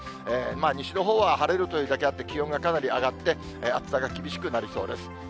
西のほうは晴れるというだけあって、気温がかなり上がって、暑さが厳しくなりそうです。